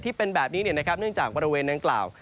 ที่เป็นแบบนี้เนื่องจากบริเวณดังกล่าว